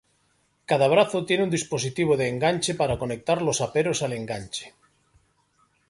Cada brazo tiene un dispositivo de enganche para conectar los aperos al enganche.